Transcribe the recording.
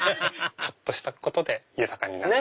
ちょっとしたことで豊かになる。